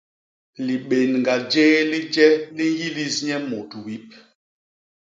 Libénga jéé li je li nyilis nye mut wip.